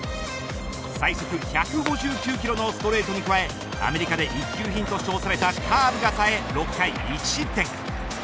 最速１５９キロのストレートに加えアメリカで一級品と称されたカーブがさえ６回１失点。